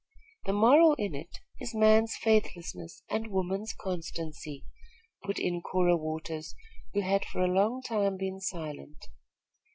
"The moral in it is man's faithlessness and woman's constancy," put in Cora Waters, who had, for a long time, been silent.